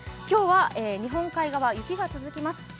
今日は日本海側、雪が続きます。